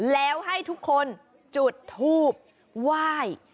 แล้วให้ทุกคนจุดทูบไหว้